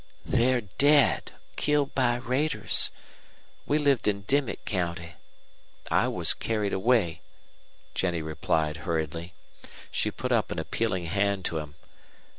"They're dead killed by raiders. We lived in Dimmit County. I was carried away," Jennie replied, hurriedly. She put up an appealing hand to him.